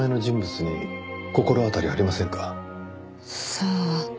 さあ。